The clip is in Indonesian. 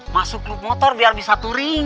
masuk klub motor biar bisa touring